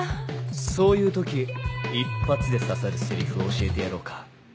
そういう時一発で刺さるセリフを教えてやろうか？